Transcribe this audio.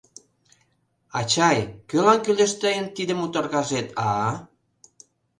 Ачай, кӧлан кӱлеш тыйын тиде муторгажет, а?